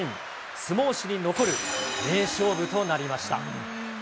相撲史に残る名勝負となりました。